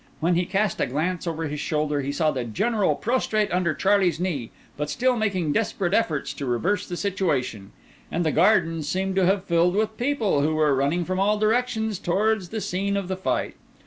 When he cast a glance over his shoulder he saw the General prostrate under Charlie's knee, but still making desperate efforts to reverse the situation; and the Gardens seemed to have filled with people, who were running from all directions towards the scene of fight.